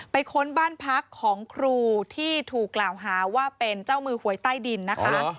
ค้นบ้านพักของครูที่ถูกกล่าวหาว่าเป็นเจ้ามือหวยใต้ดินนะคะ